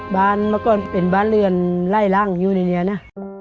บ้านมักก็เป็นบ้านเรือนไล่รังอยู่ในนี้นะ